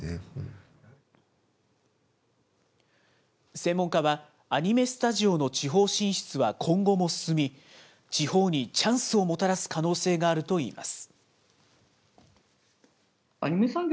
専門家は、アニメスタジオの地方進出は今後も進み、地方にチャンスをもたらす可能性があるといいます。